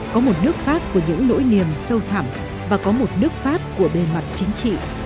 có một nước pháp của những nỗi niềm sâu thẳm và có một nước pháp của bề mặt chính trị